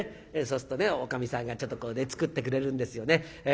そうするとおかみさんがちょっと作ってくれるんですよね。